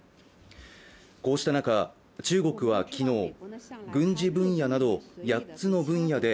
こうした中、中国は昨日軍事分野など８つの分野で